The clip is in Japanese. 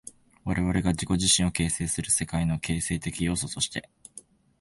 我々が自己自身を形成する世界の形成的要素として、